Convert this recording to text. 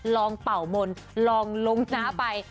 ลองเป่ามนลองลุ้มหน้าไป